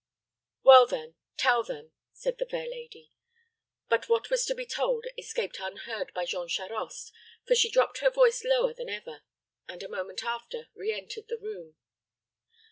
"Well, then, tell them," said the fair lady; but what was to be told escaped unheard by Jean Charost; for she dropped her voice lower than ever, and, a moment after, re entered the room.